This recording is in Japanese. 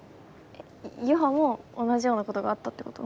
ゆはも同じようなことがあったってこと？